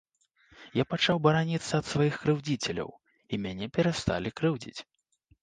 Я пачаў бараніцца ад сваіх крыўдзіцеляў, і мяне перасталі крыўдзіць.